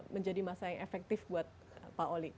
menjadi masa yang efektif buat pak oli